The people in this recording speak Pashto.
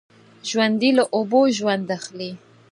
ژوندي له اوبو ژوند اخلي